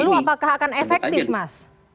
lalu apakah akan efektif mas